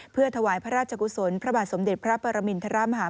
เพื่อถวายพระราชกุศลพระบาทสมเด็จพระปรมินทรมาฮา